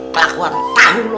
kelakuan tahu lo